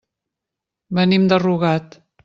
Venim de Rugat.